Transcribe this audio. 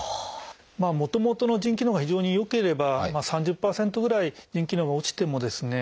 もともとの腎機能が非常に良ければ３０％ぐらい腎機能が落ちてもですね